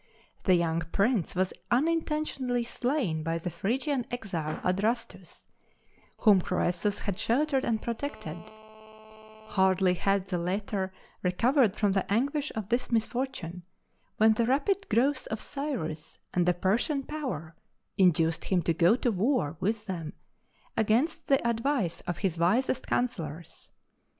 The young prince was unintentionally slain by the Phrygian exile Adrastus, whom Croesus had sheltered and protected, Hardly had the latter recovered from the anguish of this misfortune, when the rapid growth of Cyrus and the Persian power induced him to go to war with them, against the advice of his wisest counsellors.